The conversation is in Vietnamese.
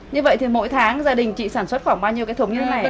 như vậy thì mỗi tháng gia đình chị sản xuất khoảng bao nhiêu cái thúng như thế này